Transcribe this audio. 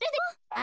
あ。